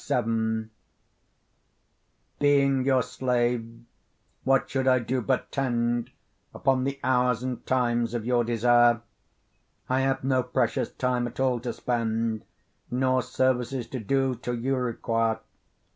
LVII Being your slave what should I do but tend, Upon the hours, and times of your desire? I have no precious time at all to spend; Nor services to do, till you require.